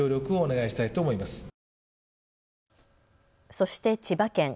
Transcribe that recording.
そして千葉県。